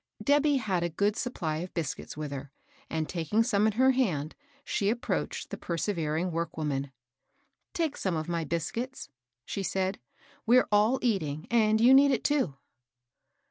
Debby had a good supply of biscuits with her, and, taking some in her hand, she approached the persevering work woman. " Take some of my biscuits,'* she said. " We*re all eating, and you need it too.'